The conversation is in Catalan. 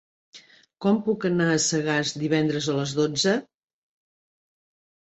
Com puc anar a Sagàs divendres a les dotze?